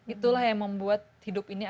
itulah yang membuat hidup ini